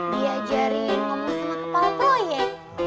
diajarin ngomong sama kepala proyek